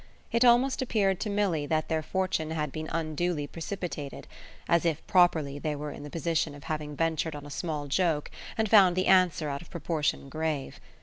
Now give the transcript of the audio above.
It almost appeared to Milly that their fortune had been unduly precipitated as if properly they were in the position of having ventured on a small joke and found the answer out of proportion grave.